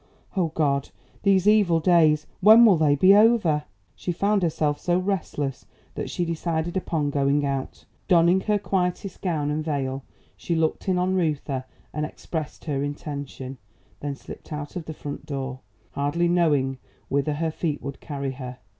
O God! these evil days! When will they be over!" She found herself so restless that she decided upon going out. Donning her quietest gown and veil, she looked in on Reuther and expressed her intention; then slipped out of the front door, hardly knowing whither her feet would carry her.